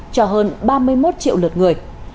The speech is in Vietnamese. cho hơn ba mươi một triệu lượt người